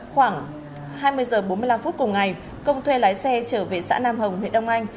khoảng hai mươi h bốn mươi năm phút cùng ngày công thuê lái xe trở về xã nam hồng huyện đông anh